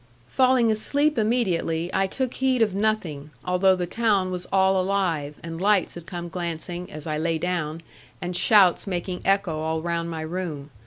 Falling asleep immediately, I took heed of nothing; although the town was all alive, and lights had come glancing, as I lay down, and shouts making echo all round my room.